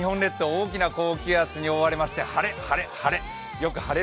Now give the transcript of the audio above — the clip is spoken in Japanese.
大きな高気圧に覆われまして晴れ、晴れ、晴れ。